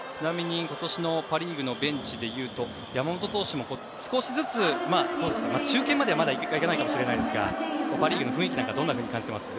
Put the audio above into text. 今年のパ・リーグのベンチでいうと山本投手も少しずつ、中堅まではまだいかないかもしれませんがパ・リーグの雰囲気なんかどんなふうに感じています？